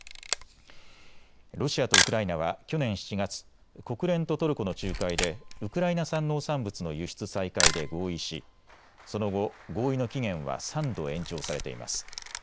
ロシアとウクライナは去年７月、国連とトルコの仲介でウクライナ産農産物の輸出再開で合意しその後、合意の期限は３度延長されています。